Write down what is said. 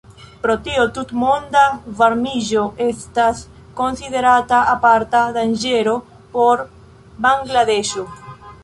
Pro tio, tutmonda varmiĝo estas konsiderata aparta danĝero por Bangladeŝo.